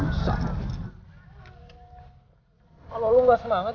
kalau lo gak semangat gimana gue mau semangat